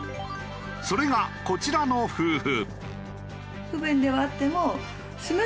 それがこちらの夫婦。